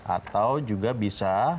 atau juga bisa